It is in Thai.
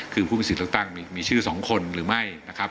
คือผู้มีสิทธิ์เลือกตั้งมีชื่อ๒คนหรือไม่นะครับ